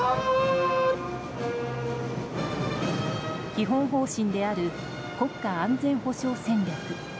基本方針である国家安全保障戦略。